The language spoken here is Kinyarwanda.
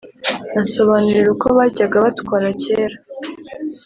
ansobanurira uko bajyaga batwara kera,